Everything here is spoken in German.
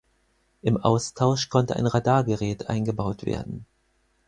Im Austausch konnte ein Radargerät eingebaut werden.